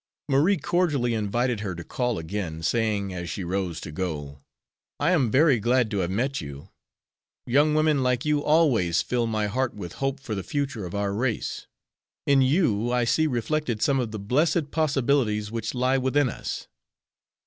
Marie cordially invited her to call again, saying, as she rose to go: "I am very glad to have met you. Young women like you always fill my heart with hope for the future of our race. In you I see reflected some of the blessed possibilities which lie within us."